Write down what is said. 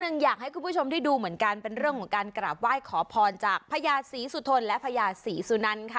หนึ่งอยากให้คุณผู้ชมได้ดูเหมือนกันเป็นเรื่องของการกราบไหว้ขอพรจากพญาศรีสุธนและพญาศรีสุนันค่ะ